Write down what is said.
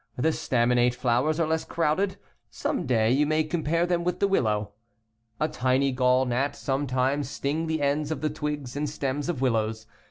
The staminate flowers are less crowded. Some day you may compare them with the willow. 15 A tiny gall gnat sometimes sting the ends of the twigs and stems of willows.